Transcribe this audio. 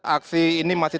aksi ini masih